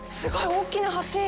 大きな橋。